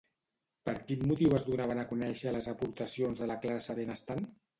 Per quin motiu es donaven a conèixer les aportacions de la classe benestant?